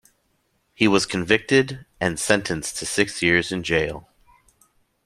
He was convicted and sentenced to six years in jail.